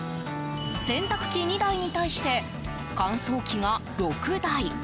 洗濯機２台に対して乾燥機が６台。